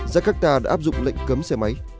jakarta đã áp dụng lệnh cấm xe máy